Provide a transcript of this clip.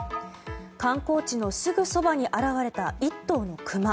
観光地のすぐそばに現れた１頭のクマ。